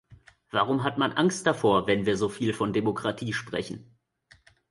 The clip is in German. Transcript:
Warum hat man Angst davor, wenn wir so viel von Demokratie sprechen?